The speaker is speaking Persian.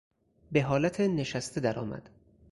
به حالت نشسته درآمد.